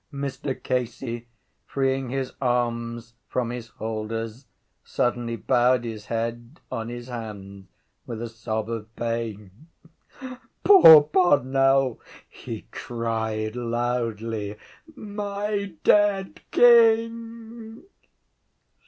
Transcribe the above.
Mr Casey, freeing his arms from his holders, suddenly bowed his head on his hands with a sob of pain. —Poor Parnell! he cried loudly. My dead king!